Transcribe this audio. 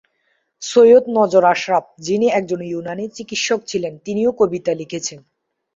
সৈয়দ নজর আশরাফ যিনি একজন ইউনানী চিকিৎসক ছিলেন তিনিও কবিতা লিখেছেন।